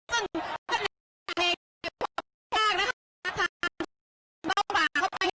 ซึ่งเพราะฉะนั้นเพลงทางบ้าวบ่าเข้าไปก่อนนะคะ